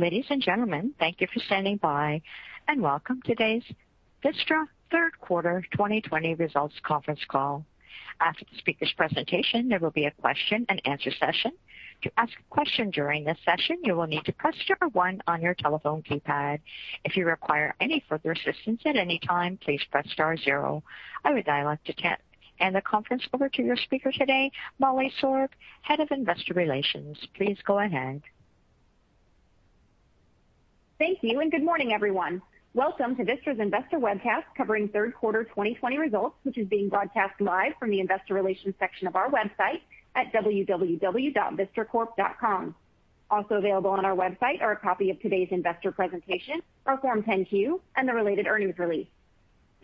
Ladies and gentlemen, thank you for standing by, and welcome to today's Vistra third quarter 2020 results conference call. After the speaker's presentation, there will be a question and answer session. To ask a question during this session, you will need to press star one on your telephone keypad. If you require any further assistance at any time, please press star zero. I would now like to hand the conference over to your speaker today, Molly Sorg, Head of Investor Relations. Please go ahead. Thank you, and good morning, everyone. Welcome to Vistra's Investor Webcast covering third quarter 2020 results, which is being broadcast live from the Investor Relations section of our website at www.vistracorp.com. Also available on our website are a copy of today's investor presentation, our Form 10-Q, and the related earnings release.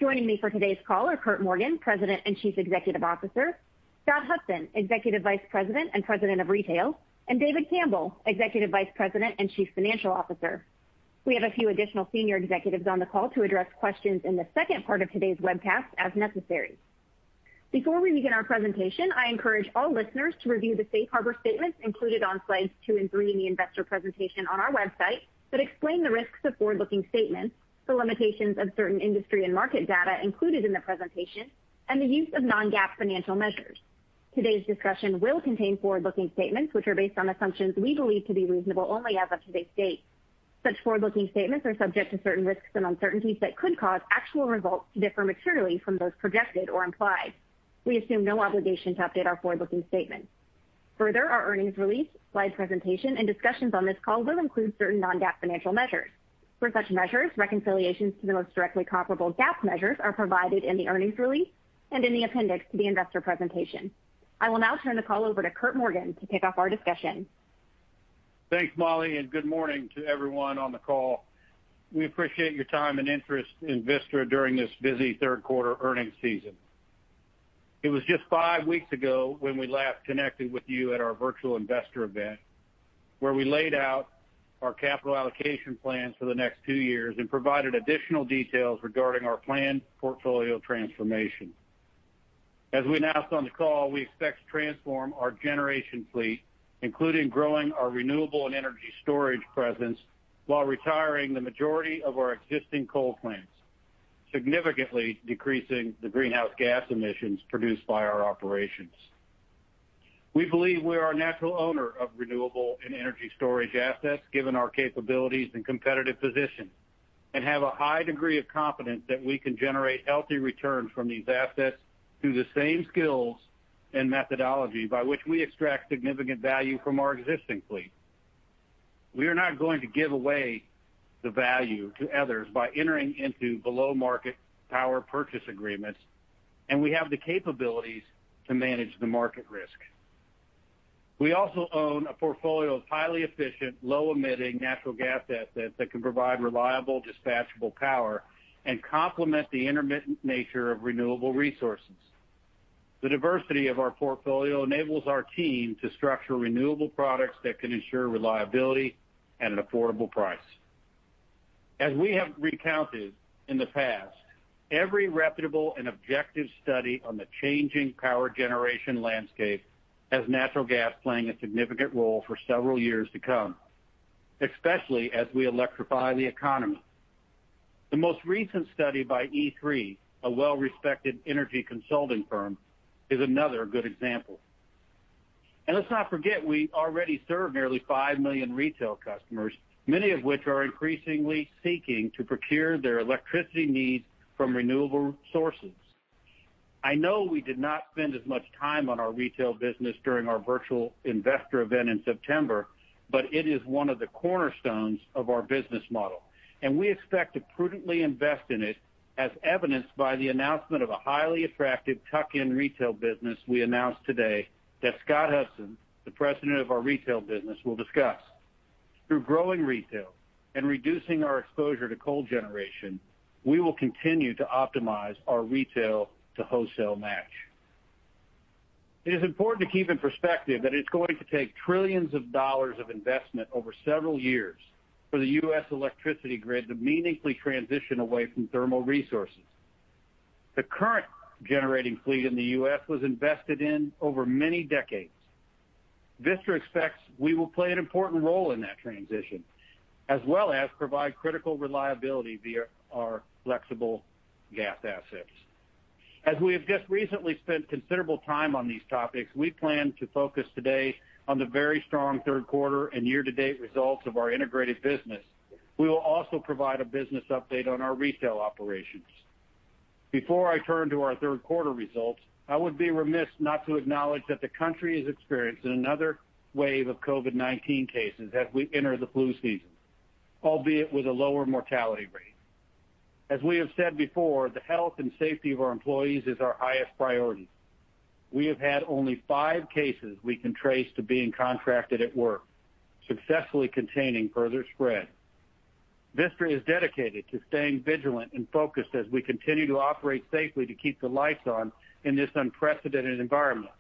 Joining me for today's call are Curt Morgan, President and Chief Executive Officer, Scott Hudson, Executive Vice President and President of Retail, and David Campbell, Executive Vice President and Chief Financial Officer. We have a few additional senior executives on the call to address questions in the second part of today's webcast as necessary. Before we begin our presentation, I encourage all listeners to review the safe harbor statements included on slides two and three in the investor presentation on our website that explain the risks of forward-looking statements, the limitations of certain industry and market data included in the presentation, and the use of non-GAAP financial measures. Today's discussion will contain forward-looking statements, which are based on assumptions we believe to be reasonable only as of today's date. Such forward-looking statements are subject to certain risks and uncertainties that could cause actual results to differ materially from those projected or implied. We assume no obligation to update our forward-looking statements. Further, our earnings release, slide presentation, and discussions on this call will include certain non-GAAP financial measures. For such measures, reconciliations to the most directly comparable GAAP measures are provided in the earnings release and in the appendix to the investor presentation. I will now turn the call over to Curt Morgan to kick off our discussion. Thanks, Molly, and good morning to everyone on the call. We appreciate your time and interest in Vistra during this busy third quarter earnings season. It was just five weeks ago when we last connected with you at our virtual investor event, where we laid out our capital allocation plans for the next two years and provided additional details regarding our planned portfolio transformation. As we announced on the call, we expect to transform our generation fleet, including growing our renewable and energy storage presence while retiring the majority of our existing coal plants, significantly decreasing the greenhouse gas emissions produced by our operations. We believe we are a natural owner of renewable and energy storage assets given our capabilities and competitive position, and have a high degree of confidence that we can generate healthy returns from these assets through the same skills and methodology by which we extract significant value from our existing fleet. We are not going to give away the value to others by entering into below-market power purchase agreements, and we have the capabilities to manage the market risk. We also own a portfolio of highly efficient, low-emitting natural gas assets that can provide reliable, dispatchable power and complement the intermittent nature of renewable resources. The diversity of our portfolio enables our team to structure renewable products that can ensure reliability at an affordable price. As we have recounted in the past, every reputable and objective study on the changing power generation landscape has natural gas playing a significant role for several years to come, especially as we electrify the economy. The most recent study by E3, a well-respected energy consulting firm, is another good example. Let's not forget, we already serve nearly 5 million retail customers, many of which are increasingly seeking to procure their electricity needs from renewable sources. I know we did not spend as much time on our retail business during our virtual investor event in September, but it is one of the cornerstones of our business model, and we expect to prudently invest in it, as evidenced by the announcement of a highly attractive tuck-in retail business we announced today that Scott Hudson, the president of our retail business, will discuss. Through growing retail and reducing our exposure to coal generation, we will continue to optimize our retail-to-wholesale match. It is important to keep in perspective that it's going to take trillions of dollars of investment over several years for the U.S. electricity grid to meaningfully transition away from thermal resources. The current generating fleet in the U.S. was invested in over many decades. Vistra expects we will play an important role in that transition, as well as provide critical reliability via our flexible gas assets. As we have just recently spent considerable time on these topics, we plan to focus today on the very strong third quarter and year-to-date results of our integrated business. We will also provide a business update on our retail operations. Before I turn to our third quarter results, I would be remiss not to acknowledge that the country is experiencing another wave of COVID-19 cases as we enter the flu season, albeit with a lower mortality rate. As we have said before, the health and safety of our employees is our highest priority. We have had only five cases we can trace to being contracted at work, successfully containing further spread. Vistra is dedicated to staying vigilant and focused as we continue to operate safely to keep the lights on in this unprecedented environment.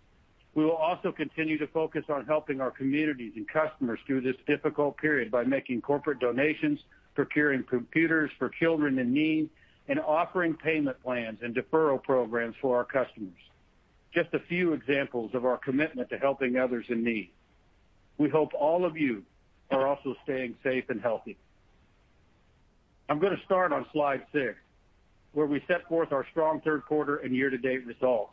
We will also continue to focus on helping our communities and customers through this difficult period by making corporate donations, procuring computers for children in need, and offering payment plans and deferral programs for our customers. Just a few examples of our commitment to helping others in need. We hope all of you are also staying safe and healthy. I'm going to start on slide six, where we set forth our strong third quarter and year-to-date results.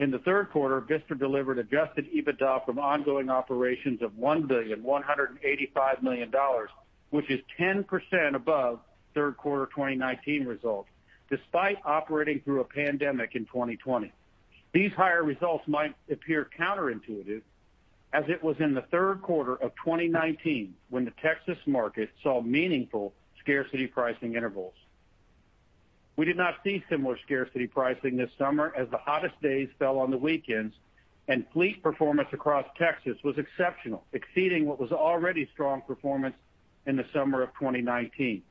In the third quarter, Vistra delivered adjusted EBITDA from ongoing operations of $1,185,000,000, which is 10% above third quarter 2019 results, despite operating through a pandemic in 2020. These higher results might appear counterintuitive, as it was in the third quarter of 2019 when the Texas market saw meaningful scarcity pricing intervals. We did not see similar scarcity pricing this summer as the hottest days fell on the weekends, and fleet performance across Texas was exceptional, exceeding what was already strong performance in the summer of 2019.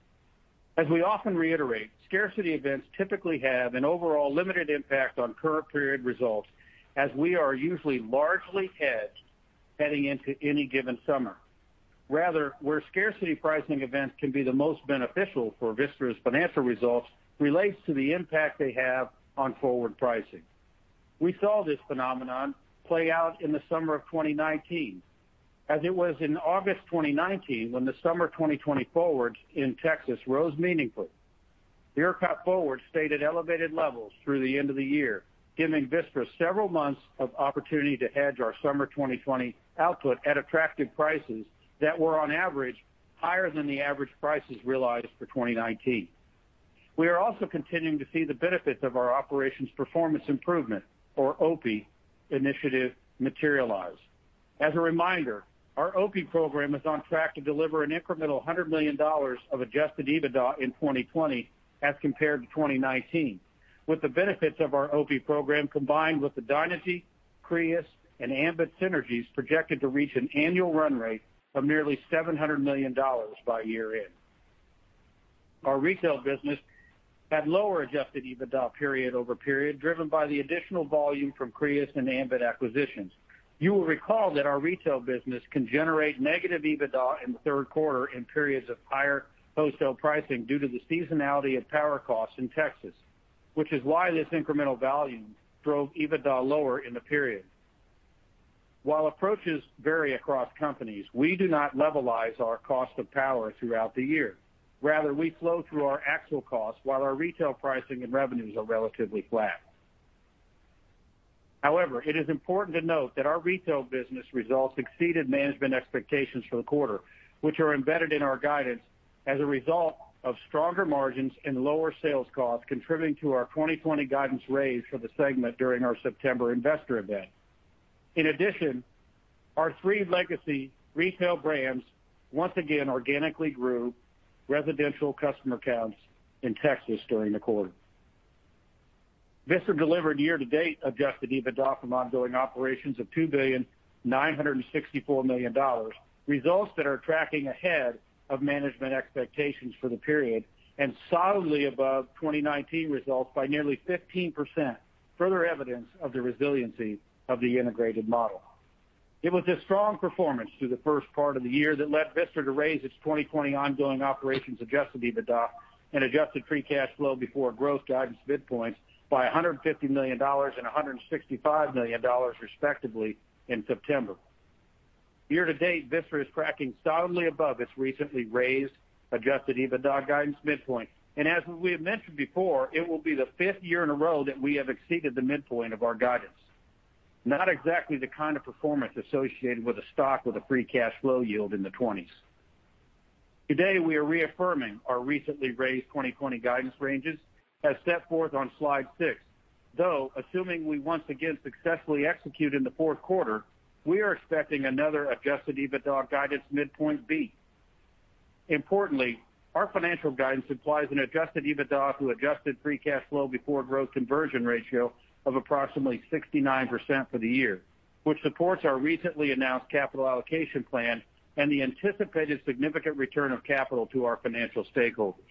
As we often reiterate, scarcity events typically have an overall limited impact on current period results, as we are usually largely hedged heading into any given summer. Where scarcity pricing events can be the most beneficial for Vistra's financial results relates to the impact they have on forward pricing. We saw this phenomenon play out in the summer of 2019, as it was in August 2019 when the summer 2020 forwards in Texas rose meaningfully. The ERCOT forward stayed at elevated levels through the end of the year, giving Vistra several months of opportunity to hedge our summer 2020 output at attractive prices that were on average higher than the average prices realized for 2019. We are also continuing to see the benefits of our Operations Performance Improvement, or OPI initiative materialize. As a reminder, our OPI program is on track to deliver an incremental $100 million of adjusted EBITDA in 2020 as compared to 2019. With the benefits of our OPI program, combined with the Dynegy, Crius, and Ambit synergies projected to reach an annual run rate of nearly $700 million by year-end. Our retail business had lower adjusted EBITDA period-over-period, driven by the additional volume from Crius and Ambit acquisitions. You will recall that our retail business can generate negative EBITDA in the third quarter in periods of higher wholesale pricing due to the seasonality of power costs in Texas, which is why this incremental volume drove EBITDA lower in the period. While approaches vary across companies, we do not levelize our cost of power throughout the year. Rather, we flow through our actual costs while our retail pricing and revenues are relatively flat. It is important to note that our retail business results exceeded management expectations for the quarter, which are embedded in our guidance as a result of stronger margins and lower sales costs contributing to our 2020 guidance raise for the segment during our September investor event. In addition, our three legacy retail brands once again organically grew residential customer counts in Texas during the quarter. Vistra delivered year-to-date adjusted EBITDA from ongoing operations of $2,964,000,000. Results that are tracking ahead of management expectations for the period and solidly above 2019 results by nearly 15%, further evidence of the resiliency of the integrated model. It was this strong performance through the first part of the year that led Vistra to raise its 2020 ongoing operations adjusted EBITDA and adjusted free cash flow before growth guidance midpoint by $150 million and $165 million respectively in September. Year-to-date, Vistra is tracking solidly above its recently raised adjusted EBITDA guidance midpoint. As we have mentioned before, it will be the fifth year in a row that we have exceeded the midpoint of our guidance. Not exactly the kind of performance associated with a stock with a free cash flow yield in the 20s. Today, we are reaffirming our recently raised 2020 guidance ranges as set forth on slide six, though assuming we once again successfully execute in the fourth quarter, we are expecting another adjusted EBITDA guidance midpoint B. Importantly, our financial guidance implies an adjusted EBITDA to adjusted free cash flow before growth conversion ratio of approximately 69% for the year, which supports our recently announced capital allocation plan and the anticipated significant return of capital to our financial stakeholders.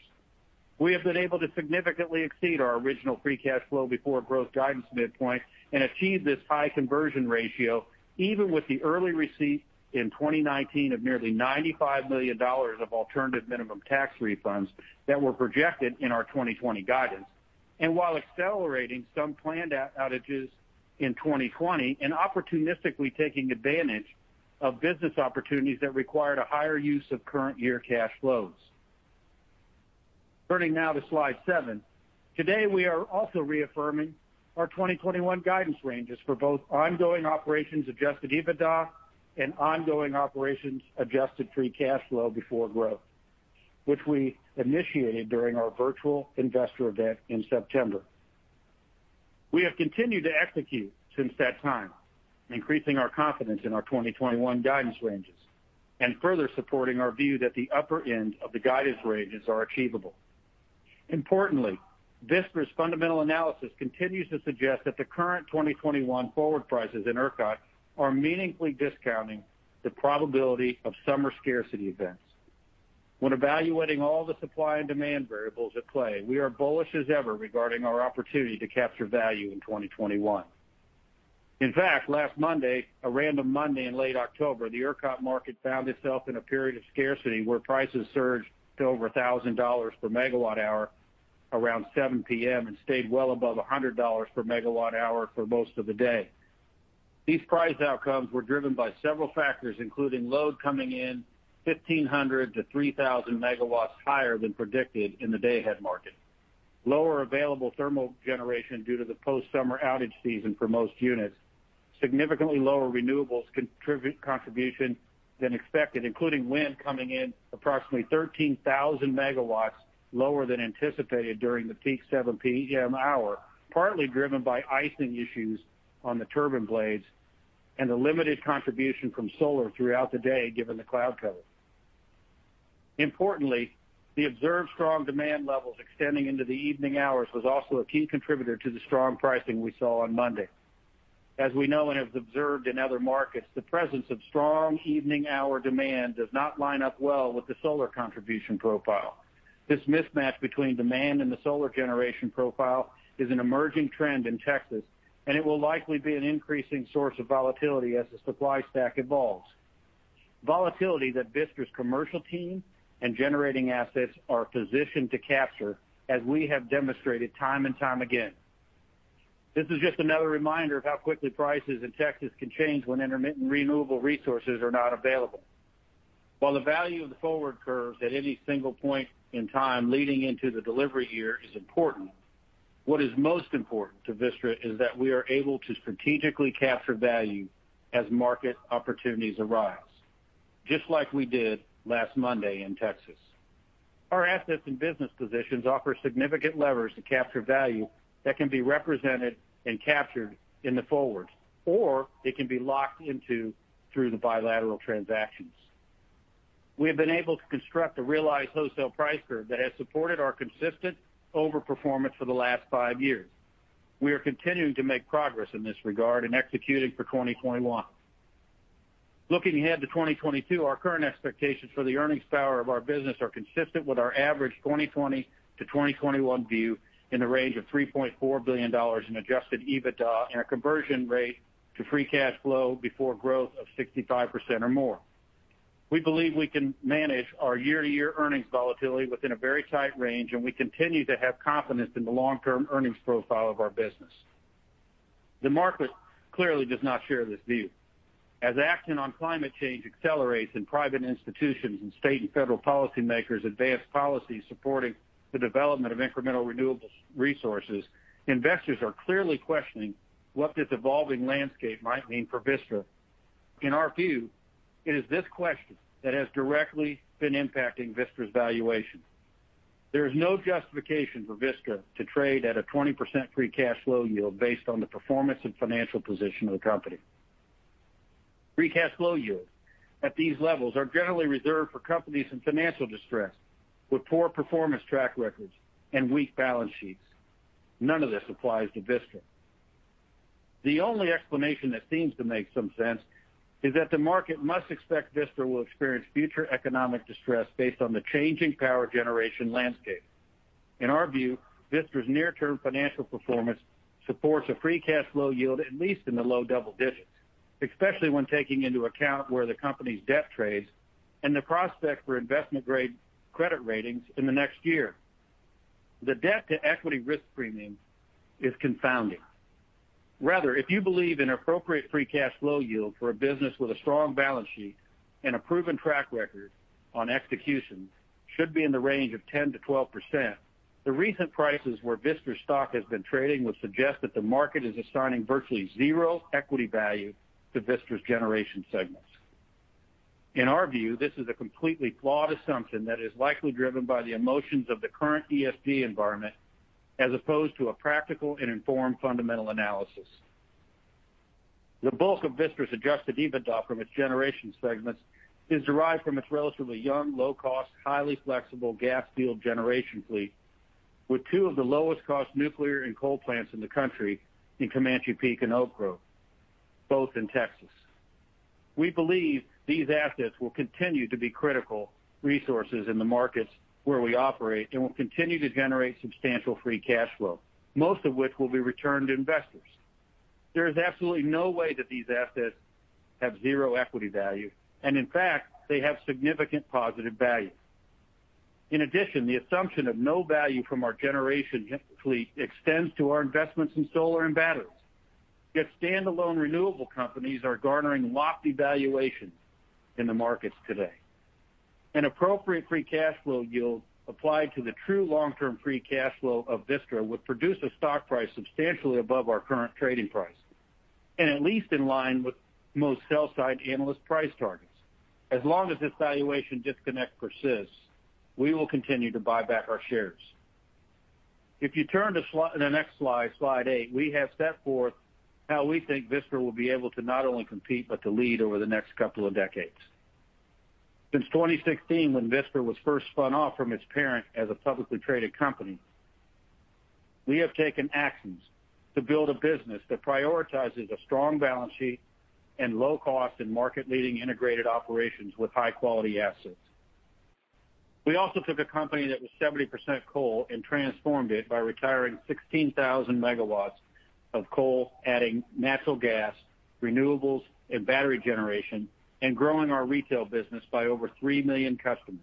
We have been able to significantly exceed our original free cash flow before growth guidance midpoint and achieve this high conversion ratio, even with the early receipt in 2019 of nearly $95 million of alternative minimum tax refunds that were projected in our 2020 guidance, while accelerating some planned outages in 2020 and opportunistically taking advantage of business opportunities that required a higher use of current year cash flows. Turning now to slide seven. Today, we are also reaffirming our 2021 guidance ranges for both ongoing operations adjusted EBITDA and ongoing operations adjusted free cash flow before growth, which we initiated during our virtual investor event in September. We have continued to execute since that time, increasing our confidence in our 2021 guidance ranges, and further supporting our view that the upper end of the guidance ranges are achievable. Importantly, Vistra's fundamental analysis continues to suggest that the current 2021 forward prices in ERCOT are meaningfully discounting the probability of summer scarcity events. When evaluating all the supply and demand variables at play, we are bullish as ever regarding our opportunity to capture value in 2021. In fact, last Monday, a random Monday in late October, the ERCOT market found itself in a period of scarcity where prices surged to over $1,000 per megawatt hour around 7:00 P.M. and stayed well above $100 per megawatt hour for most of the day. These price outcomes were driven by several factors, including load coming in 1,500 MW-3,000 MW higher than predicted in the day-ahead market, lower available thermal generation due to the post-summer outage season for most units. Significantly lower renewables contribution than expected, including wind coming in approximately 13,000 MW lower than anticipated during the peak 7:00 P.M. hour, partly driven by icing issues on the turbine blades and the limited contribution from solar throughout the day, given the cloud cover. Importantly, the observed strong demand levels extending into the evening hours was also a key contributor to the strong pricing we saw on Monday. As we know and have observed in other markets, the presence of strong evening hour demand does not line up well with the solar contribution profile. This mismatch between demand and the solar generation profile is an emerging trend in Texas, and it will likely be an increasing source of volatility as the supply stack evolves. Volatility that Vistra's commercial team and generating assets are positioned to capture, as we have demonstrated time and time again. This is just another reminder of how quickly prices in Texas can change when intermittent renewable resources are not available. While the value of the forward curves at any single point in time leading into the delivery year is important, what is most important to Vistra is that we are able to strategically capture value as market opportunities arise, just like we did last Monday in Texas. Our assets and business positions offer significant levers to capture value that can be represented and captured in the forwards. They can be locked into through the bilateral transactions. We have been able to construct a realized wholesale price curve that has supported our consistent over-performance for the last five years. We are continuing to make progress in this regard and executing for 2021. Looking ahead to 2022, our current expectations for the earnings power of our business are consistent with our average 2020-2021 view in the range of $3.4 billion in adjusted EBITDA and a conversion rate to free cash flow before growth of 65% or more. We believe we can manage our year-to-year earnings volatility within a very tight range, and we continue to have confidence in the long-term earnings profile of our business. The market clearly does not share this view. As action on climate change accelerates and private institutions and state and federal policymakers advance policies supporting the development of incremental renewable resources, investors are clearly questioning what this evolving landscape might mean for Vistra. In our view, it is this question that has directly been impacting Vistra's valuation. There is no justification for Vistra to trade at a 20% free cash flow yield based on the performance and financial position of the company. Free cash flow yield at these levels are generally reserved for companies in financial distress with poor performance track records and weak balance sheets. None of this applies to Vistra. The only explanation that seems to make some sense is that the market must expect Vistra will experience future economic distress based on the changing power generation landscape. In our view, Vistra's near-term financial performance supports a free cash flow yield at least in the low double digits, especially when taking into account where the company's debt trades and the prospect for investment-grade credit ratings in the next year. The debt-to-equity risk premium is confounding. Rather, if you believe an appropriate free cash flow yield for a business with a strong balance sheet and a proven track record on execution should be in the range of 10%-12%, the recent prices where Vistra's stock has been trading would suggest that the market is assigning virtually zero equity value to Vistra's generation segments. In our view, this is a completely flawed assumption that is likely driven by the emotions of the current ESG environment as opposed to a practical and informed fundamental analysis. The bulk of Vistra's adjusted EBITDA from its generation segments is derived from its relatively young, low cost, highly flexible gas-fueled generation fleet. With two of the lowest cost nuclear and coal plants in the country in Comanche Peak and Oak Grove, both in Texas. We believe these assets will continue to be critical resources in the markets where we operate and will continue to generate substantial free cash flow, most of which will be returned to investors. There is absolutely no way that these assets have zero equity value, and in fact, they have significant positive value. In addition, the assumption of no value from our generation fleet extends to our investments in solar and batteries. Yet standalone renewable companies are garnering lofty valuations in the markets today. An appropriate free cash flow yield applied to the true long-term free cash flow of Vistra would produce a stock price substantially above our current trading price, and at least in line with most sell-side analyst price targets. As long as this valuation disconnect persists, we will continue to buy back our shares. If you turn to the next slide eight, we have set forth how we think Vistra will be able to not only compete, but to lead over the next couple of decades. Since 2016, when Vistra was first spun off from its parent as a publicly traded company, we have taken actions to build a business that prioritizes a strong balance sheet and low cost and market-leading integrated operations with high-quality assets. We also took a company that was 70% coal and transformed it by retiring 16,000 MW of coal, adding natural gas, renewables, and battery generation, and growing our retail business by over 3 million customers,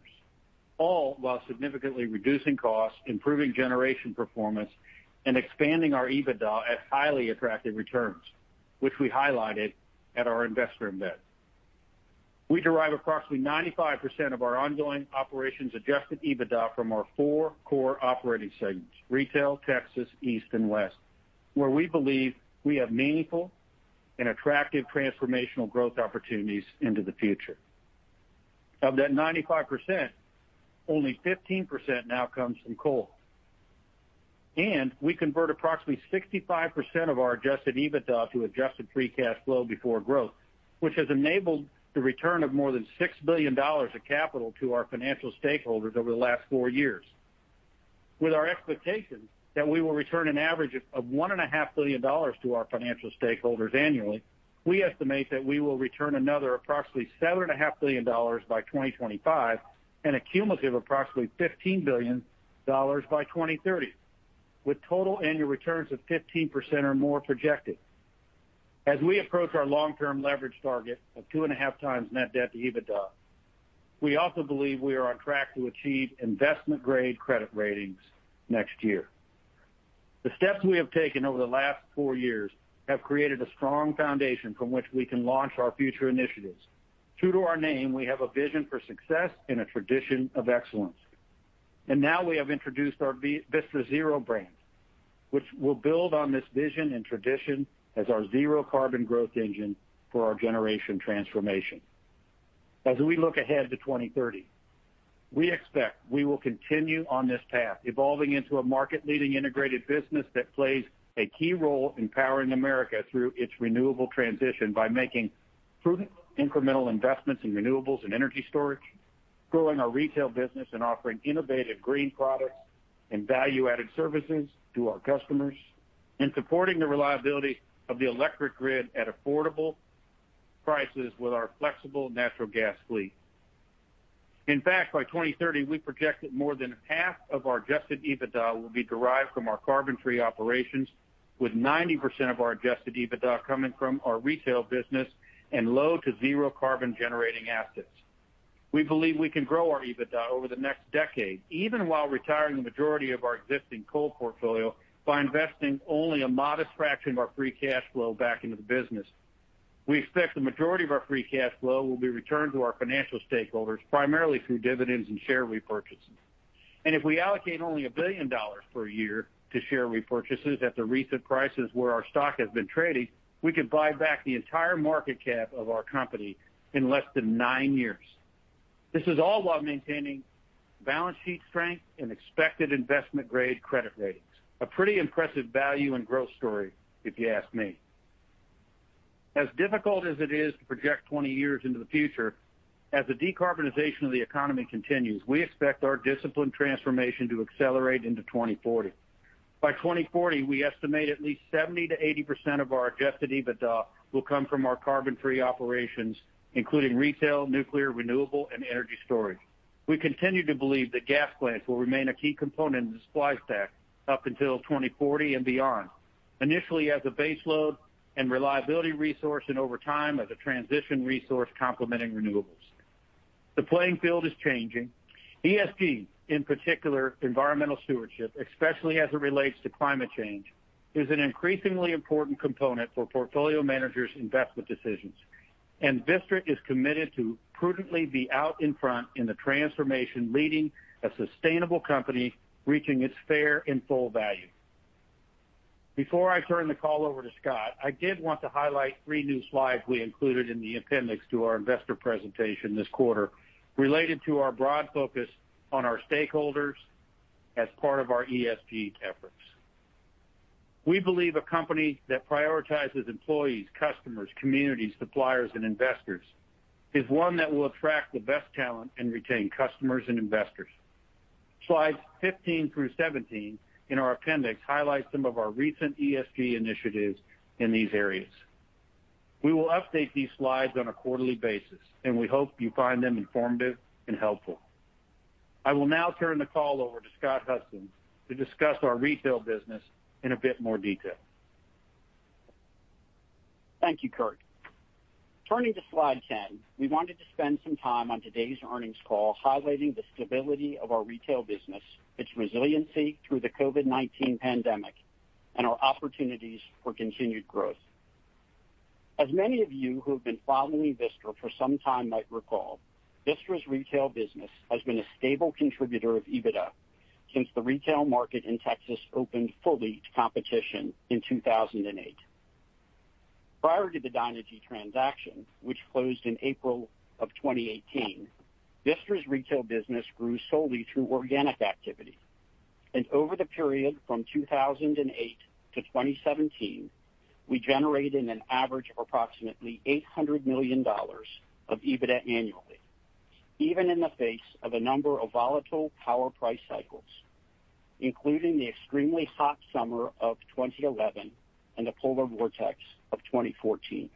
all while significantly reducing costs, improving generation performance, and expanding our EBITDA at highly attractive returns, which we highlighted at our investor event. We derive approximately 95% of our ongoing operations adjusted EBITDA from our four core operating segments, retail, Texas, East, and West, where we believe we have meaningful and attractive transformational growth opportunities into the future. Of that 95%, only 15% now comes from coal. We convert approximately 65% of our adjusted EBITDA to adjusted free cash flow before growth, which has enabled the return of more than $6 billion of capital to our financial stakeholders over the last four years. With our expectations that we will return an average of $1.5 billion to our financial stakeholders annually, we estimate that we will return another approximately $7.5 billion by 2025 and a cumulative approximately $15 billion by 2030, with total annual returns of 15% or more projected. As we approach our long-term leverage target of 2.5x net debt to EBITDA, we also believe we are on track to achieve investment-grade credit ratings next year. The steps we have taken over the last four years have created a strong foundation from which we can launch our future initiatives. True to our name, we have a vision for success and a tradition of excellence. Now we have introduced our Vistra Zero brand, which will build on this vision and tradition as our zero carbon growth engine for our generation transformation. As we look ahead to 2030, we expect we will continue on this path, evolving into a market-leading integrated business that plays a key role in powering America through its renewable transition by making prudent incremental investments in renewables and energy storage, growing our retail business and offering innovative green products and value-added services to our customers, and supporting the reliability of the electric grid at affordable prices with our flexible natural gas fleet. In fact, by 2030, we project that more than half of our adjusted EBITDA will be derived from our carbon-free operations with 90% of our adjusted EBITDA coming from our retail business and low to zero carbon generating assets. We believe we can grow our EBITDA over the next decade, even while retiring the majority of our existing coal portfolio by investing only a modest fraction of our free cash flow back into the business. We expect the majority of our free cash flow will be returned to our financial stakeholders, primarily through dividends and share repurchases. If we allocate only $1 billion per year to share repurchases at the recent prices where our stock has been trading, we could buy back the entire market cap of our company in less than nine years. This is all while maintaining balance sheet strength and expected investment-grade credit ratings. A pretty impressive value and growth story, if you ask me. As difficult as it is to project 20 years into the future, as the decarbonization of the economy continues, we expect our disciplined transformation to accelerate into 2040. By 2040, we estimate at least 70%-80% of our adjusted EBITDA will come from our carbon-free operations, including retail, nuclear, renewable, and energy storage. We continue to believe that gas plants will remain a key component in the supply stack up until 2040 and beyond, initially as a base load and reliability resource, and over time as a transition resource complementing renewables. The playing field is changing. ESG, in particular, environmental stewardship, especially as it relates to climate change, is an increasingly important component for portfolio managers' investment decisions, and Vistra is committed to prudently be out in front in the transformation, leading a sustainable company reaching its fair and full value. Before I turn the call over to Scott, I did want to highlight three new slides we included in the appendix to our investor presentation this quarter related to our broad focus on our stakeholders as part of our ESG efforts. We believe a company that prioritizes employees, customers, communities, suppliers, and investors is one that will attract the best talent and retain customers and investors. Slides 15 through 17 in our appendix highlight some of our recent ESG initiatives in these areas. We will update these slides on a quarterly basis. We hope you find them informative and helpful. I will now turn the call over to Scott Hudson to discuss our retail business in a bit more detail. Thank you, Curt. Turning to slide 10, we wanted to spend some time on today's earnings call highlighting the stability of our retail business, its resiliency through the COVID-19 pandemic, and our opportunities for continued growth. As many of you who have been following Vistra for some time might recall, Vistra's retail business has been a stable contributor of EBITDA since the retail market in Texas opened fully to competition in 2008. Prior to the Dynegy transaction, which closed in April of 2018, Vistra's retail business grew solely through organic activity. Over the period from 2008-2017, we generated an average of approximately $800 million of EBITDA annually, even in the face of a number of volatile power price cycles, including the extremely hot summer of 2011 and the polar vortex of 2014.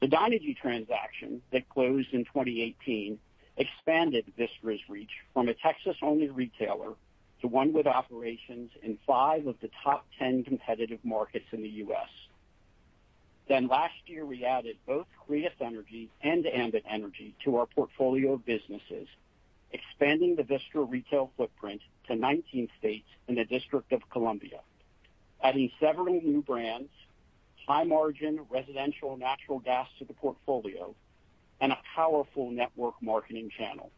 The Dynegy transaction that closed in 2018 expanded Vistra's reach from a Texas-only retailer to one with operations in five of the top 10 competitive markets in the U.S. Last year, we added both Crius Energy and Ambit Energy to our portfolio of businesses, expanding the Vistra Retail footprint to 19 states and the District of Columbia, adding several new brands, high margin residential natural gas to the portfolio, and a powerful network marketing channel.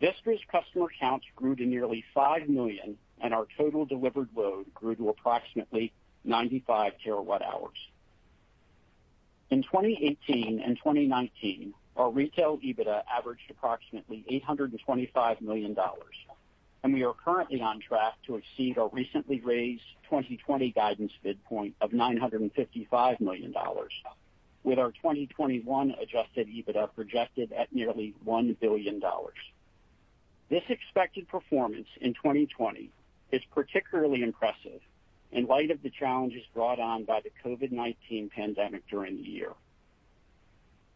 Vistra's customer counts grew to nearly 5 million, and our total delivered load grew to approximately 95 TWh. In 2018 and 2019, our retail EBITDA averaged approximately $825 million, and we are currently on track to exceed our recently raised 2020 guidance midpoint of $955 million, with our 2021 adjusted EBITDA projected at nearly $1 billion. This expected performance in 2020 is particularly impressive in light of the challenges brought on by the COVID-19 pandemic during the year.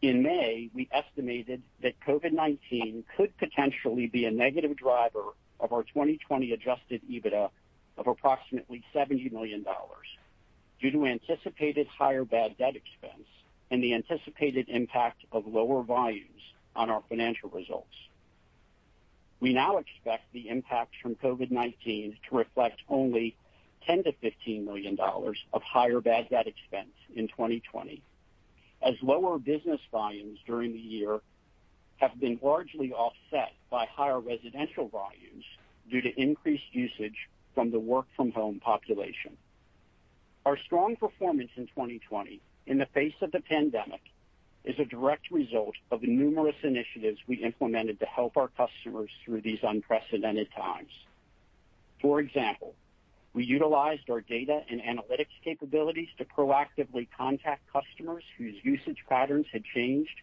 In May, we estimated that COVID-19 could potentially be a negative driver of our 2020 adjusted EBITDA of approximately $70 million due to anticipated higher bad debt expense and the anticipated impact of lower volumes on our financial results. We now expect the impact from COVID-19 to reflect only $10 million-$15 million of higher bad debt expense in 2020, as lower business volumes during the year have been largely offset by higher residential volumes due to increased usage from the work from home population. Our strong performance in 2020 in the face of the pandemic is a direct result of the numerous initiatives we implemented to help our customers through these unprecedented times. For example, we utilized our data and analytics capabilities to proactively contact customers whose usage patterns had changed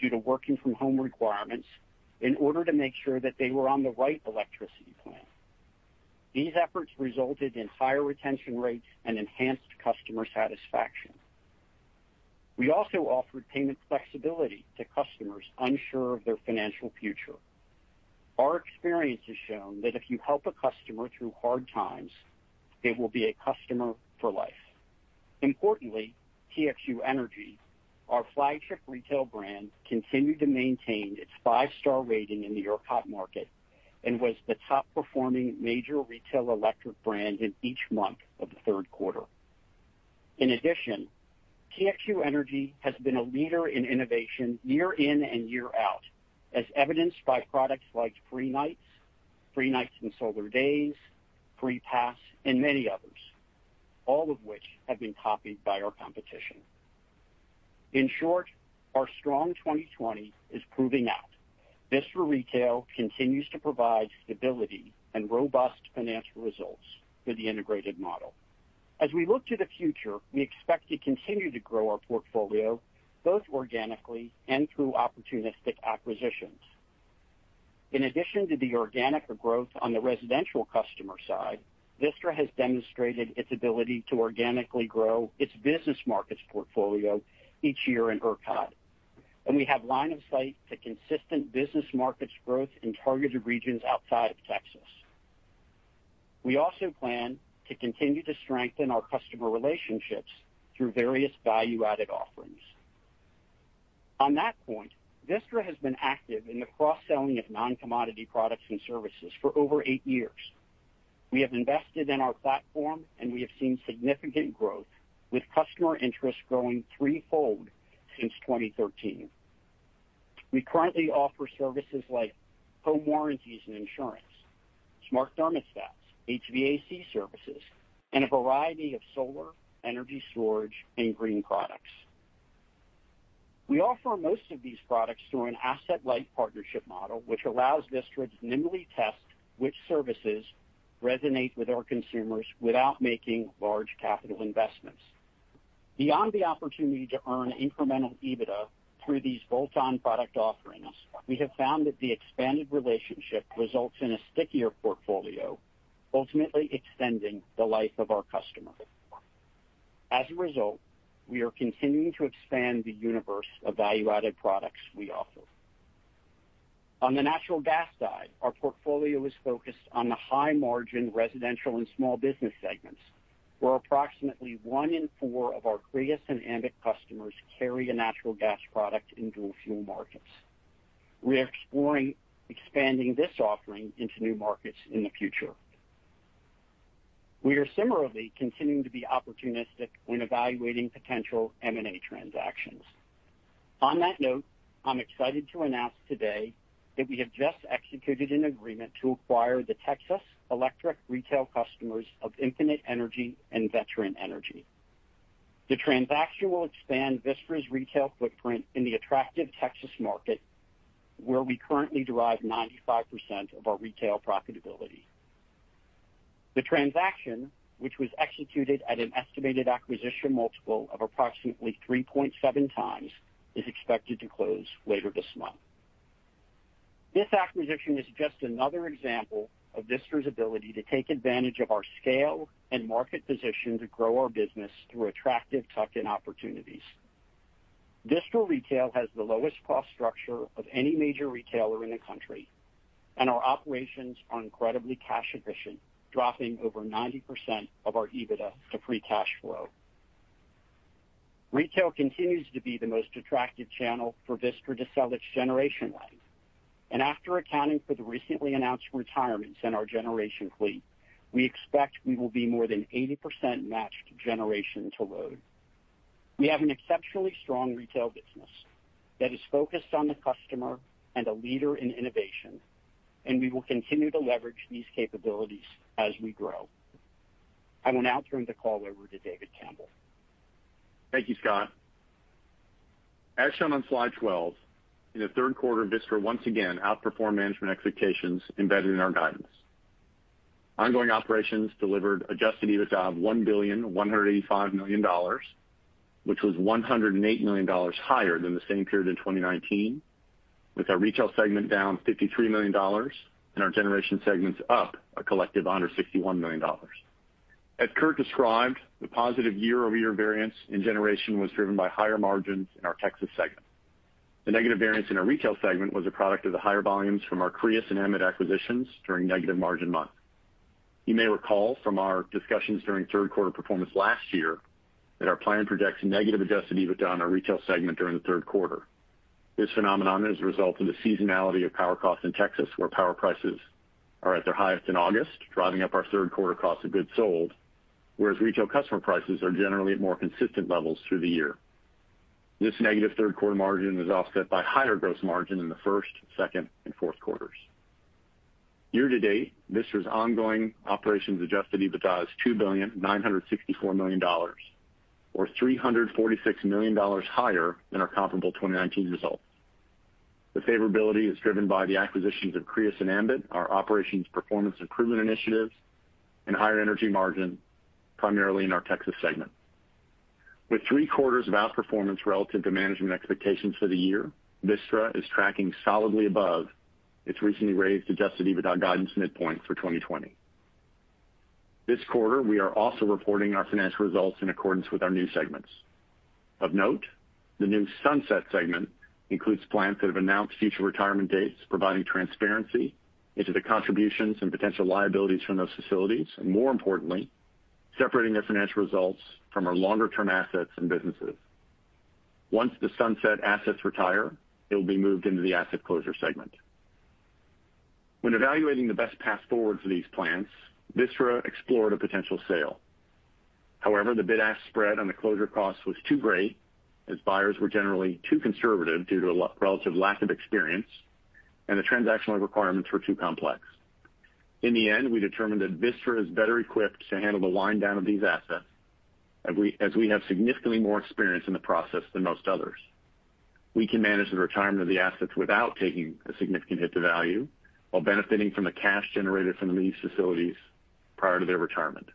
due to working from home requirements in order to make sure that they were on the right electricity plan. These efforts resulted in higher retention rates and enhanced customer satisfaction. We also offered payment flexibility to customers unsure of their financial future. Our experience has shown that if you help a customer through hard times, they will be a customer for life. Importantly, TXU Energy, our flagship retail brand, continued to maintain its five-star rating in the ERCOT market and was the top performing major retail electric brand in each month of the third quarter. In addition, TXU Energy has been a leader in innovation year in and year out, as evidenced by products like Free Nights, Free Nights and Solar Days, Free Pass, and many others, all of which have been copied by our competition. In short, our strong 2020 is proving out. Vistra Retail continues to provide stability and robust financial results for the integrated model. As we look to the future, we expect to continue to grow our portfolio both organically and through opportunistic acquisitions. In addition to the organic growth on the residential customer side, Vistra has demonstrated its ability to organically grow its business markets portfolio each year in ERCOT, and we have line of sight to consistent business markets growth in targeted regions outside of Texas. We also plan to continue to strengthen our customer relationships through various value-added offerings. On that point, Vistra has been active in the cross-selling of non-commodity products and services for over eight years. We have invested in our platform, and we have seen significant growth with customer interest growing threefold since 2013. We currently offer services like home warranties and insurance, smart thermostats, HVAC services, and a variety of solar, energy storage, and green products. We offer most of these products through an asset-light partnership model, which allows Vistra to nimbly test which services resonate with our consumers without making large capital investments. Beyond the opportunity to earn incremental EBITDA through these bolt-on product offerings, we have found that the expanded relationship results in a stickier portfolio, ultimately extending the life of our customer. As a result, we are continuing to expand the universe of value-added products we offer. On the natural gas side, our portfolio is focused on the high margin residential and small business segments, where approximately one in four of our Crius and Ambit customers carry a natural gas product in dual fuel markets. We are exploring expanding this offering into new markets in the future. We are similarly continuing to be opportunistic when evaluating potential M&A transactions. On that note, I'm excited to announce today that we have just executed an agreement to acquire the Texas electric retail customers of Infinite Energy and Veteran Energy. The transaction will expand Vistra's retail footprint in the attractive Texas market, where we currently derive 95% of our retail profitability. The transaction, which was executed at an estimated acquisition multiple of approximately 3.7x, is expected to close later this month. This acquisition is just another example of Vistra's ability to take advantage of our scale and market position to grow our business through attractive tuck-in opportunities. Vistra Retail has the lowest cost structure of any major retailer in the country, and our operations are incredibly cash efficient, dropping over 90% of our EBITDA to free cash flow. Retail continues to be the most attractive channel for Vistra to sell its generation line. After accounting for the recently announced retirements in our generation fleet, we expect we will be more than 80% matched generation to load. We have an exceptionally strong retail business that is focused on the customer and a leader in innovation, and we will continue to leverage these capabilities as we grow. I will now turn the call over to David Campbell. Thank you, Scott. As shown on slide 12, in the third quarter, Vistra once again outperformed management expectations embedded in our guidance. Ongoing operations delivered adjusted EBITDA of $1,185 million, which was $108 million higher than the same period in 2019, with our retail segment down $53 million, and our generation segments up a collective $161 million. As Curt described, the positive year-over-year variance in generation was driven by higher margins in our Texas segment. The negative variance in our retail segment was a product of the higher volumes from our Crius and Ambit acquisitions during negative margin months. You may recall from our discussions during third quarter performance last year that our plan projects a negative adjusted EBITDA on our retail segment during the third quarter. This phenomenon is a result of the seasonality of power costs in Texas, where power prices are at their highest in August, driving up our third quarter cost of goods sold, whereas retail customer prices are generally at more consistent levels through the year. This negative third quarter margin is offset by higher gross margin in the first, second, and fourth quarters. Year-to-date, Vistra's ongoing operations adjusted EBITDA is $2,964,000,000, or $346 million higher than our comparable 2019 results. The favorability is driven by the acquisitions of Crius and Ambit, our operations performance improvement initiatives, and higher energy margin, primarily in our Texas segment. With three quarters of outperformance relative to management expectations for the year, Vistra is tracking solidly above its recently raised adjusted EBITDA guidance midpoint for 2020. This quarter, we are also reporting our financial results in accordance with our new segments. Of note, the new sunset segment includes plans that have announced future retirement dates, providing transparency into the contributions and potential liabilities from those facilities, more importantly, separating their financial results from our longer-term assets and businesses. Once the sunset assets retire, they'll be moved into the asset closure segment. When evaluating the best path forward for these plants, Vistra explored a potential sale. The bid-ask spread on the closure cost was too great, as buyers were generally too conservative due to a relative lack of experience, the transactional requirements were too complex. In the end, we determined that Vistra is better equipped to handle the wind down of these assets, as we have significantly more experience in the process than most others. We can manage the retirement of the assets without taking a significant hit to value while benefiting from the cash generated from these facilities prior to their retirement.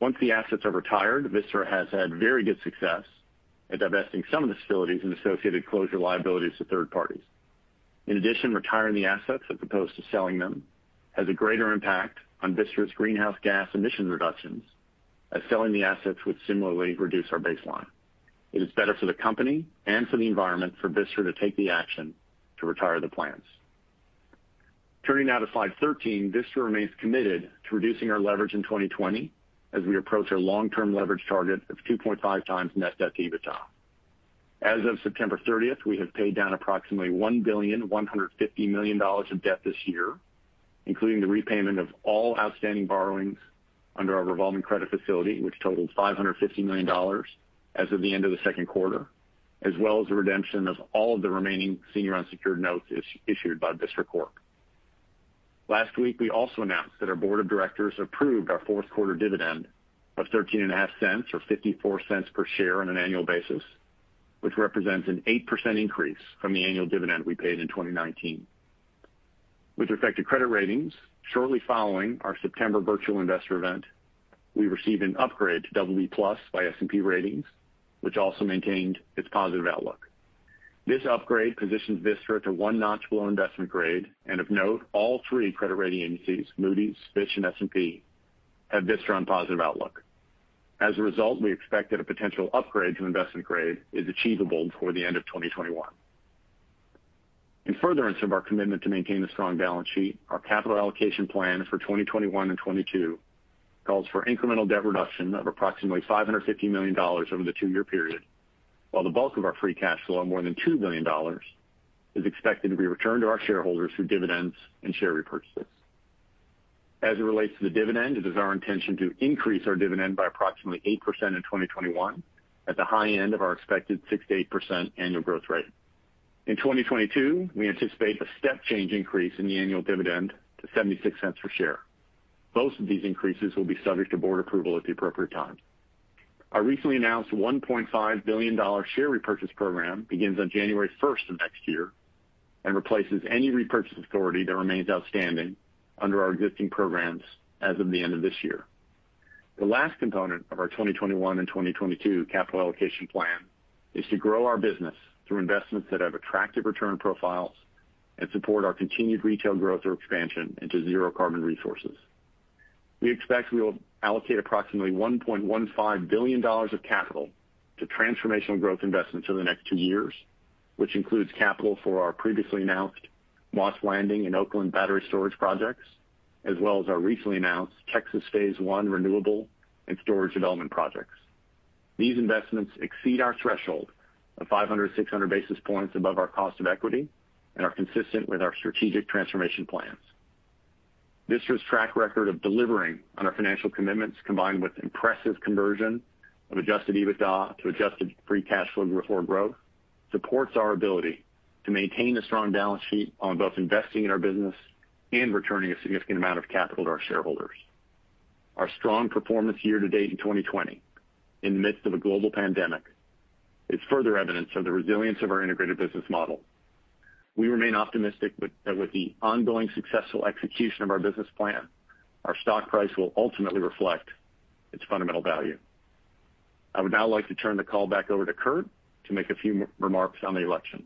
Once the assets are retired, Vistra has had very good success at divesting some of the facilities and associated closure liabilities to third parties. In addition, retiring the assets as opposed to selling them has a greater impact on Vistra's greenhouse gas emission reductions, as selling the assets would similarly reduce our baseline. It is better for the company and for the environment for Vistra to take the action to retire the plants. Turning now to slide 13, Vistra remains committed to reducing our leverage in 2020 as we approach our long-term leverage target of 2.5x net debt to EBITDA. As of September 30th, we have paid down approximately $1,150,000,000 of debt this year, including the repayment of all outstanding borrowings under our revolving credit facility, which totaled $550 million as of the end of the second quarter, as well as the redemption of all of the remaining senior unsecured notes issued by Vistra Corp. Last week, we also announced that our board of directors approved our fourth quarter dividend of $0.135 or $0.54 per share on an annual basis, which represents an 8% increase from the annual dividend we paid in 2019. With respect to credit ratings, shortly following our September virtual investor event, we received an upgrade to BB+ by S&P Ratings, which also maintained its positive outlook. This upgrade positions Vistra to one notch below investment grade. Of note, all three credit rating agencies, Moody's, Fitch, and S&P, have Vistra on positive outlook. As a result, we expect that a potential upgrade to investment grade is achievable before the end of 2021. In furtherance of our commitment to maintain a strong balance sheet, our capital allocation plan for 2021 and 2022 calls for incremental debt reduction of approximately $550 million over the two-year period, while the bulk of our free cash flow of more than $2 billion is expected to be returned to our shareholders through dividends and share repurchases. As it relates to the dividend, it is our intention to increase our dividend by approximately 8% in 2021 at the high end of our expected 6%-8% annual growth rate. In 2022, we anticipate a step change increase in the annual dividend to $0.76 per share. Both of these increases will be subject to board approval at the appropriate time. Our recently announced $1.5 billion share repurchase program begins on January 1st of next year and replaces any repurchase authority that remains outstanding under our existing programs as of the end of this year. The last component of our 2021 and 2022 capital allocation plan is to grow our business through investments that have attractive return profiles and support our continued retail growth or expansion into zero-carbon resources. We expect we will allocate approximately $1.15 billion of capital to transformational growth investments over the next two years, which includes capital for our previously announced Moss Landing and Oakland battery storage projects, as well as our recently announced Texas phase I renewable and storage development projects. These investments exceed our threshold of 500, 600 basis points above our cost of equity and are consistent with our strategic transformation plans. Vistra's track record of delivering on our financial commitments, combined with impressive conversion of adjusted EBITDA to adjusted free cash flow before growth, supports our ability to maintain a strong balance sheet on both investing in our business and returning a significant amount of capital to our shareholders. Our strong performance year-to-date in 2020, in the midst of a global pandemic, is further evidence of the resilience of our integrated business model. We remain optimistic that with the ongoing successful execution of our business plan, our stock price will ultimately reflect its fundamental value. I would now like to turn the call back over to Curt to make a few remarks on the election.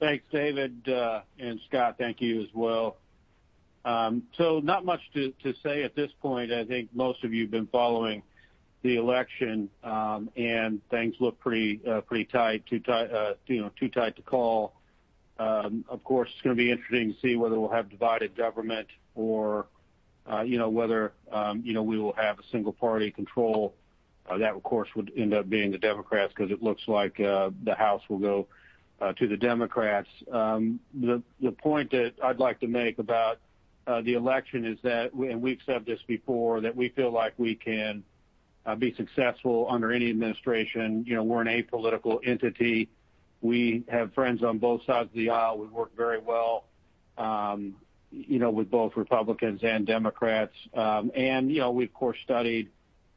Thanks, David, and Scott, thank you as well. Not much to say at this point. I think most of you have been following the election, and things look pretty tight, too tight to call. Of course, it's going to be interesting to see whether we'll have divided government or whether we will have a single-party control. That, of course, would end up being the Democrats because it looks like the House will go to the Democrats. The point that I'd like to make about the election is that, and we've said this before, that we feel like we can be successful under any administration. We're an apolitical entity. We have friends on both sides of the aisle. We work very well with both Republicans and Democrats. We've course studied,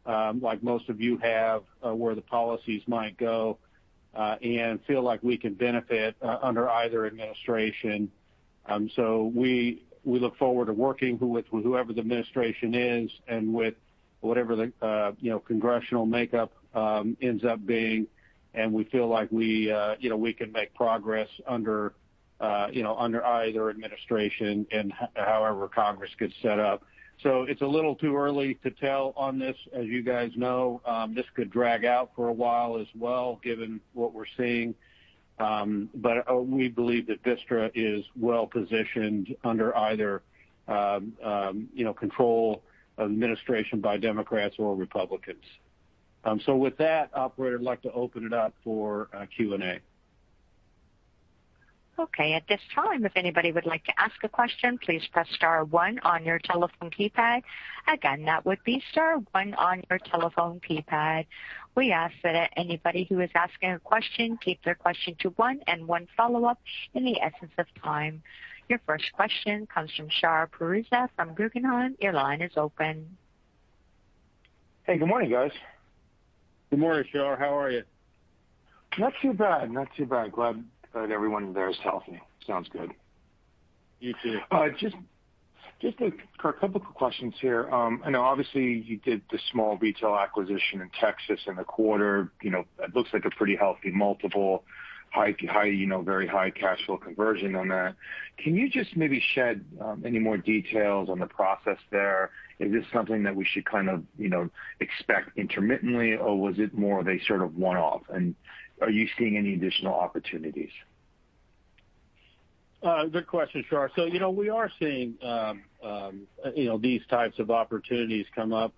like most of you have, where the policies might go, and feel like we can benefit under either administration. We look forward to working with whoever the administration is and with whatever the congressional makeup ends up being, and we feel like we can make progress under either administration and however Congress gets set up. It's a little too early to tell on this. As you guys know, this could drag out for a while as well given what we're seeing. We believe that Vistra is well-positioned under either control of the administration by Democrats or Republicans. With that, operator, I'd like to open it up for Q&A. Okay. At this time, if anybody would like to ask a question, please press star one on your telephone keypad. Again, that would be zero one on your telephone keypad. We ask that anybody who is asking a question keep their question to one and one follow-up in the essence of time. Your first question comes from Shar Pourreza from Guggenheim. Hey, good morning, guys. Good morning, Shar. How are you? Not too bad. Glad that everyone there is healthy. Sounds good. You too. Just a couple of quick questions here. I know obviously you did the small retail acquisition in Texas in the quarter. It looks like a pretty healthy multiple, very high cash flow conversion on that. Can you just maybe shed any more details on the process there? Is this something that we should kind of expect intermittently, or was it more of a sort of one-off? Are you seeing any additional opportunities? Good question, Shar. We are seeing these types of opportunities come up.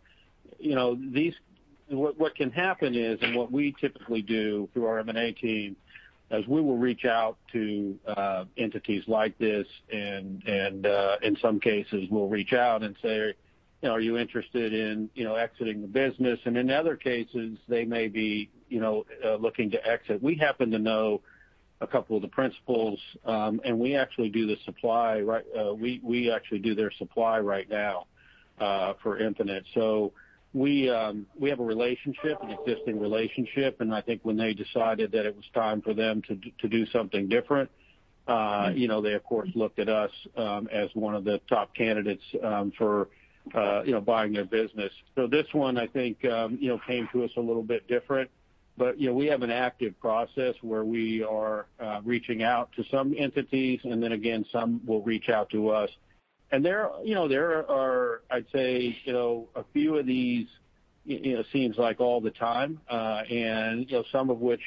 What can happen is, and what we typically do through our M&A team, is we will reach out to entities like this and in some cases, we'll reach out and say, "Are you interested in exiting the business?" In other cases, they may be looking to exit. We happen to know a couple of the principals, and we actually do their supply right now for Infinite. We have an existing relationship, and I think when they decided that it was time for them to do something different, they of course, looked at us as one of the top candidates for buying their business. This one, I think came to us a little bit different. We have an active process where we are reaching out to some entities, and then again, some will reach out to us. There are, I'd say, a few of these it seems like all the time, and some of which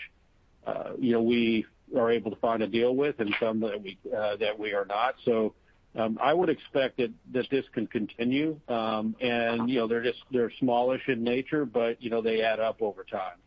we are able to find a deal with and some that we are not. I would expect that this can continue, and they're smallish in nature, but they add up over time.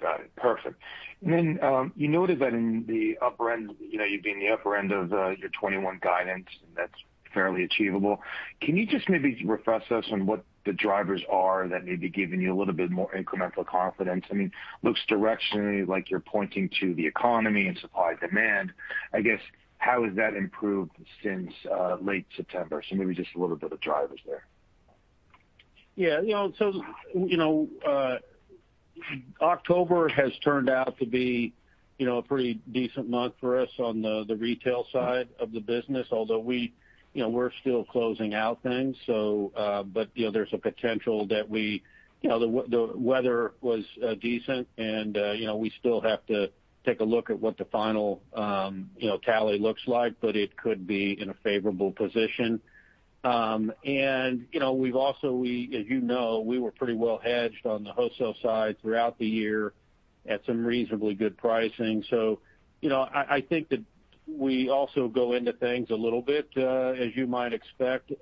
Got it. Perfect. You noted that in the upper end, you'd be in the upper end of your 2021 guidance, and that's fairly achievable. Can you just maybe refresh us on what the drivers are that may be giving you a little bit more incremental confidence? I mean, looks directionally like you're pointing to the economy and supply-demand. I guess, how has that improved since late September? Maybe just a little bit of drivers there. October has turned out to be a pretty decent month for us on the retail side of the business, although we're still closing out things. There's a potential that the weather was decent, and we still have to take a look at what the final tally looks like, but it could be in a favorable position. As you know, we were pretty well hedged on the wholesale side throughout the year at some reasonably good pricing. I think that we also go into things a little bit, as you might expect,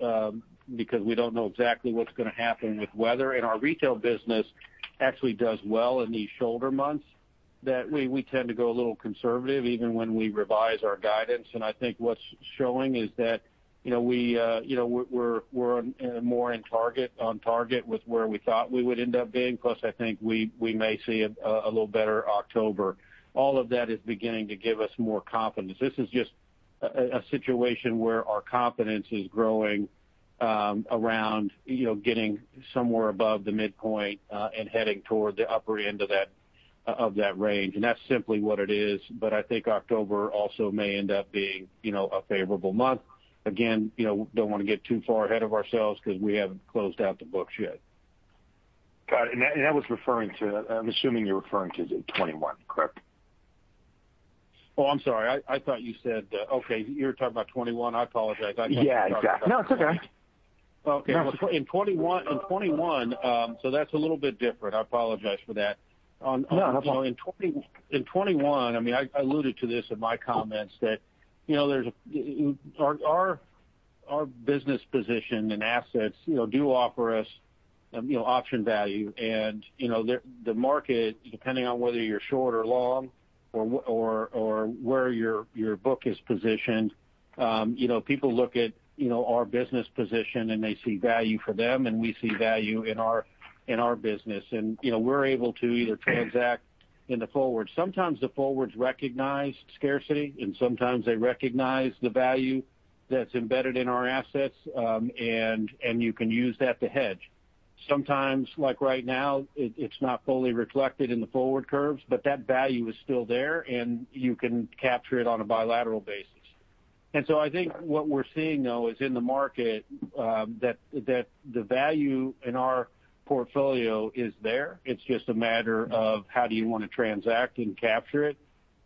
because we don't know exactly what's going to happen with weather. Our retail business actually does well in these shoulder months, that we tend to go a little conservative even when we revise our guidance. I think what's showing is that we're more on target with where we thought we would end up being, plus I think we may see a little better October. All of that is beginning to give us more confidence. This is just a situation where our confidence is growing around getting somewhere above the midpoint, and heading toward the upper end of that range. That's simply what it is. I think October also may end up being a favorable month. Again, don't want to get too far ahead of ourselves because we haven't closed out the books yet. Got it. I'm assuming you're referring to 2021, correct? Oh, I'm sorry. I thought you said Okay, you're talking about 2021. I apologize. Yeah, exactly. No, it's okay. Okay. In 2021, that's a little bit different. I apologize for that. No, that's all right. In 2021, I alluded to this in my comments, that our business position and assets do offer us option value. The market, depending on whether you're short or long or where your book is positioned, people look at our business position and they see value for them, and we see value in our business. We're able to either transact in the forward. Sometimes the forwards recognize scarcity, and sometimes they recognize the value that's embedded in our assets, and you can use that to hedge. Sometimes, like right now, it's not fully reflected in the forward curves, but that value is still there, and you can capture it on a bilateral basis. I think what we're seeing, though, is in the market, that the value in our portfolio is there. It's just a matter of how do you want to transact and capture it.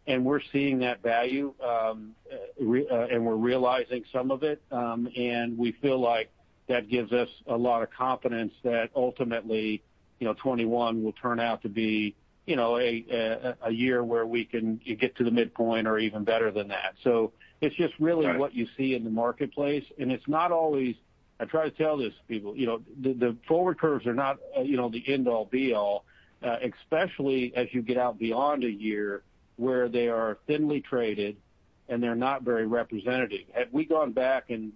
We're seeing that value, and we're realizing some of it. We feel like that gives us a lot of confidence that ultimately, 2021 will turn out to be a year where we can get to the midpoint or even better than that. It's just really what you see in the marketplace. I try to tell this to people. The forward curves are not the end-all be-all, especially as you get out beyond a year where they are thinly traded and they're not very representative. Had we gone back and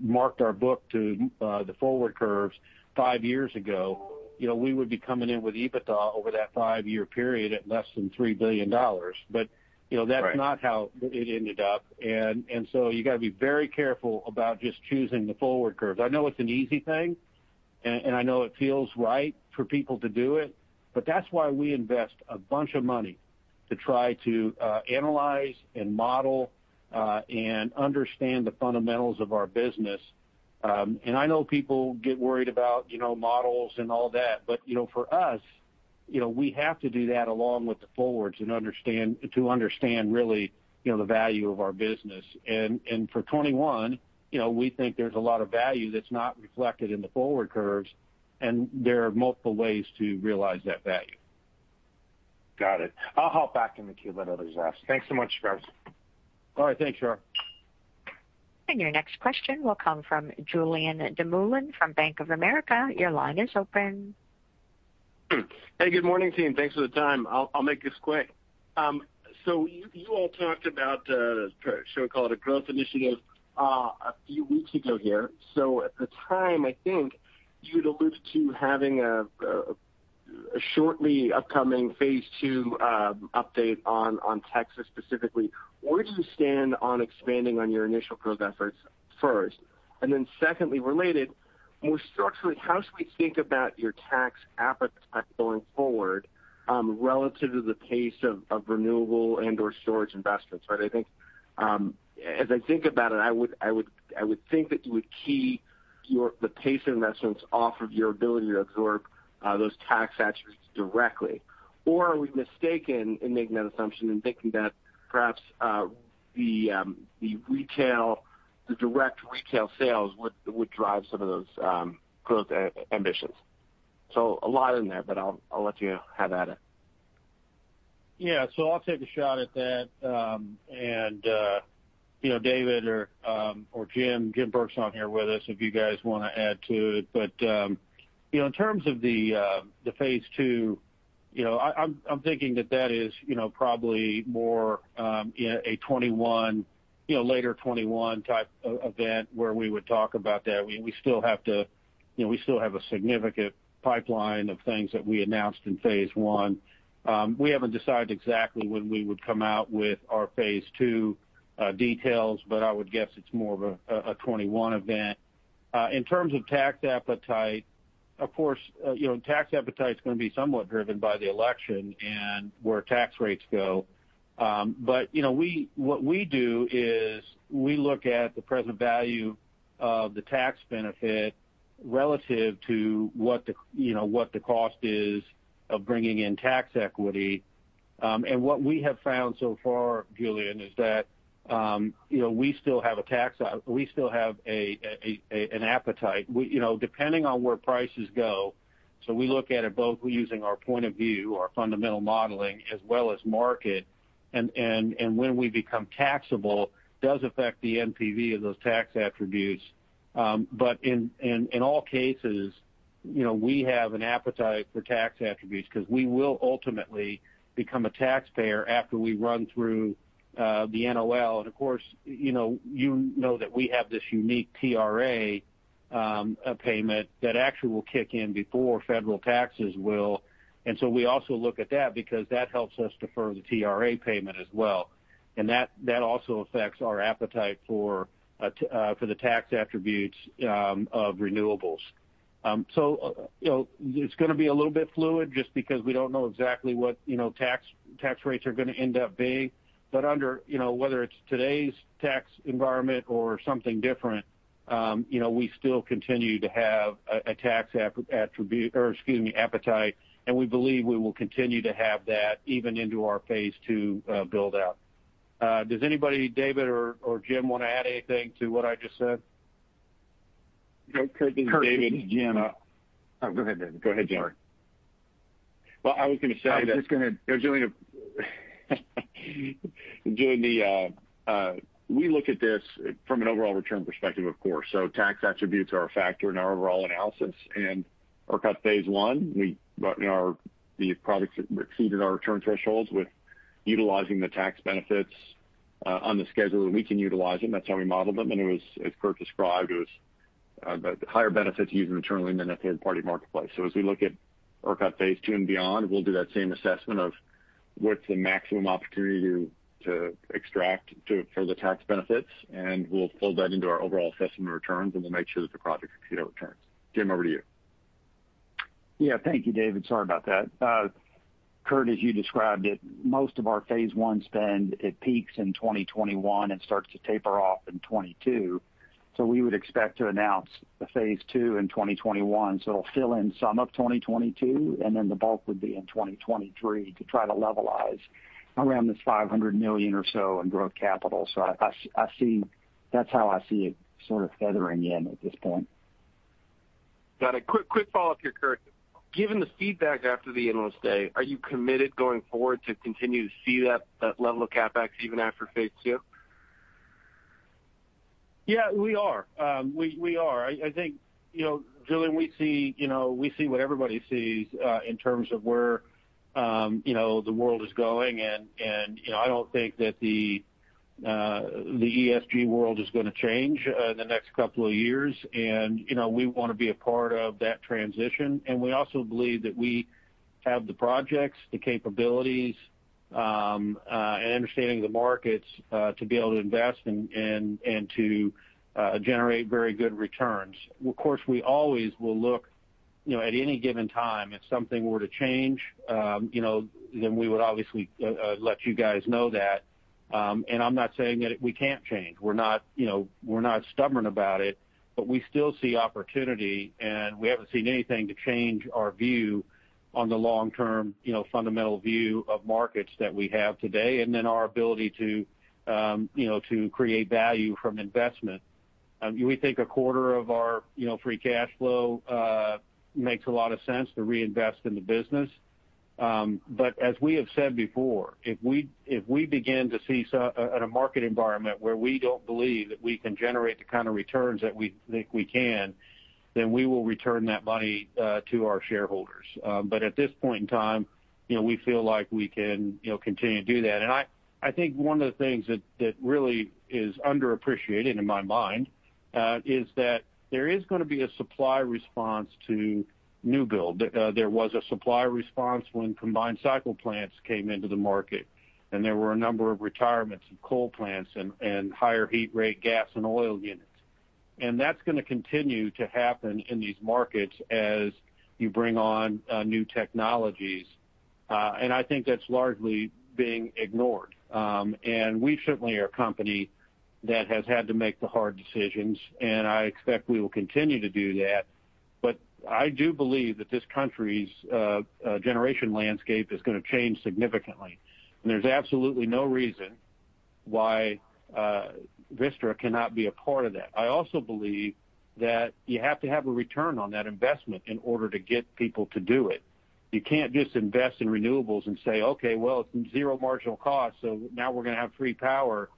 marked our book to the forward curves five years ago, we would be coming in with EBITDA over that five-year period at less than $3 billion. That's not how it ended up. You got to be very careful about just choosing the forward curves. I know it's an easy thing, and I know it feels right for people to do it, but that's why we invest a bunch of money to try to analyze and model and understand the fundamentals of our business. I know people get worried about models and all that. For us, we have to do that along with the forwards to understand really the value of our business. For 2021, we think there's a lot of value that's not reflected in the forward curves, and there are multiple ways to realize that value. Got it. I'll hop back in the queue, let others ask. Thanks so much, Curt. All right. Thanks, Shar. Your next question will come from Julien Dumoulin from Bank of America. Your line is open. Good morning, team. Thanks for the time. I'll make this quick. You all talked about, shall we call it a growth initiative, a few weeks ago here. At the time, I think you had alluded to having a shortly upcoming phase II update on Texas specifically. Where do you stand on expanding on your initial growth efforts first? Secondly, related, more structurally, how should we think about your tax appetite going forward relative to the pace of renewable and/or storage investments, right? As I think about it, I would think that you would key the pace investments off of your ability to absorb those tax attributes directly. Are we mistaken in making that assumption and thinking that perhaps the direct retail sales would drive some of those growth ambitions? A lot in there, I'll let you have at it. I'll take a shot at that. David or Jim. Jim Burke's on here with us, if you guys want to add to it. In terms of the phase II, I'm thinking that that is probably more a later 2021 type event where we would talk about that. We still have a significant pipeline of things that we announced in phase I. We haven't decided exactly when we would come out with our phase II details, but I would guess it's more of a 2021 event. In terms of tax appetite, of course, tax appetite is going to be somewhat driven by the election and where tax rates go. What we do is we look at the present value of the tax benefit relative to what the cost is of bringing in tax equity. What we have found so far, Julien, is that we still have an appetite. Depending on where prices go, we look at it both using our point of view, our fundamental modeling, as well as market. When we become taxable, it does affect the NPV of those tax attributes. In all cases, we have an appetite for tax attributes because we will ultimately become a taxpayer after we run through the NOL. Of course, you know that we have this unique TRA payment that actually will kick in before federal taxes will. We also look at that because that helps us defer the TRA payment as well. That also affects our appetite for the tax attributes of renewables. It's going to be a little bit fluid just because we don't know exactly what tax rates are going to end up being. Whether it's today's tax environment or something different, we still continue to have a tax appetite, and we believe we will continue to have that even into our phase II build-out. Does anybody, David or Jim, want to add anything to what I just said? Curt, this is David. Curt, this is Jim. Oh, go ahead, David. Go ahead, Jim. Sorry. Well, I was going to say that. I was just going to-- Julien, we look at this from an overall return perspective, of course. Tax attributes are a factor in our overall analysis. Orca's phase I, the products exceeded our return thresholds with utilizing the tax benefits on the schedule, and we can utilize them. That's how we modeled them. As Curt described, it was the higher benefits using internally than a third-party marketplace. As we look at Orca phase II and beyond, we'll do that same assessment of what's the maximum opportunity to extract for the tax benefits, and we'll fold that into our overall assessment of returns, and we'll make sure that the project hits returns. Jim, over to you. Yeah. Thank you, David. Sorry about that. Curt, as you described it, most of our phase I spend, it peaks in 2021 and starts to taper off in 2022. We would expect to announce the phase II in 2021. It'll fill in some of 2022, and then the bulk would be in 2023 to try to levelize around this $500 million or so in growth capital. That's how I see it sort of feathering in at this point. Got it. Quick follow-up here, Curt. Given the feedback after the Analyst Day, are you committed going forward to continue to see that level of CapEx even after phase II? Yeah, we are. I think, Julien, we see what everybody sees in terms of where the world is going, and I don't think that the ESG world is going to change in the next couple of years. We want to be a part of that transition. We also believe that we have the projects, the capabilities, and understanding of the markets to be able to invest and to generate very good returns. Of course, we always will look at any given time, if something were to change, then we would obviously let you guys know that. I'm not saying that we can't change. We're not stubborn about it, but we still see opportunity, and we haven't seen anything to change our view on the long-term fundamental view of markets that we have today and then our ability to create value from investment. We think 1/4 of our free cash flow makes a lot of sense to reinvest in the business. As we have said before, if we begin to see a market environment where we don't believe that we can generate the kind of returns that we think we can, then we will return that money to our shareholders. At this point in time, we feel like we can continue to do that. I think one of the things that really is underappreciated in my mind is that there is going to be a supply response to new build. There was a supply response when combined cycle plants came into the market, and there were a number of retirements of coal plants and higher heat rate gas and oil units. That's going to continue to happen in these markets as you bring on new technologies. I think that's largely being ignored. We certainly are a company that has had to make the hard decisions, and I expect we will continue to do that. I do believe that this country's generation landscape is going to change significantly. There's absolutely no reason why Vistra cannot be a part of that. I also believe that you have to have a return on that investment in order to get people to do it. You can't just invest in renewables and say, "Okay, well, it's zero marginal cost, so now we're going to have free power